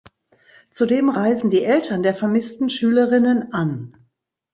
Zudem reisen die Eltern der vermissten Schülerinnen an.